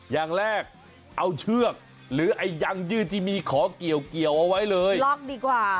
อย่างแรกเอาเชือกหรือไอ้ยังยืดที่มีขอเกี่ยวเอาไว้เลยล็อกดีกว่า